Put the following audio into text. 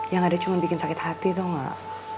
yang ada cuma membuat sakit hati tahu tidak